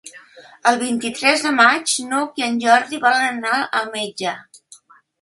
El vint-i-tres de maig n'Hug i en Jordi volen anar al metge.